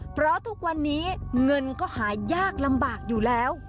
เพราะทุกวันนี้เงินก็หายากลำบากอยู่แล้ว